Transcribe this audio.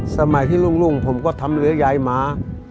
สมัยที่รุ่งผมก็ทำเรือยายม้า